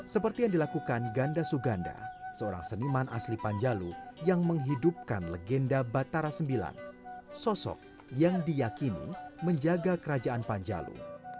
seperti yang dilakukan ganda suganda seorang seniman asli panjalu yang menghidupkan legenda batara ix sosok yang diakini menjaga kerajaan panjalu